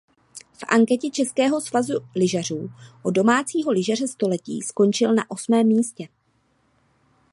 V anketě Českého svazu lyžařů o domácího lyžaře století skončil na osmém místě.